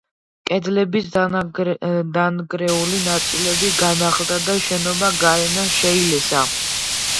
კედლების დანგრეული ნაწილები განახლდა და შენობა გარედან შეილესა.